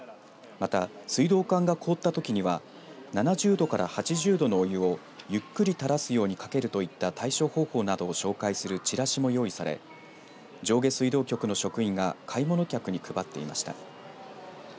また、水道管が凍ったときには７０度から８０度のお湯をゆっくりたらすようにかけるといった対処方法などを紹介するチラシも用意され上下水道局の職員が買い物客に配っていました。